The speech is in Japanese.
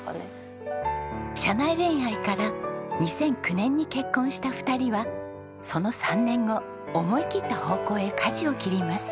社内恋愛から２００９年に結婚した２人はその３年後思い切った方向へかじを切ります。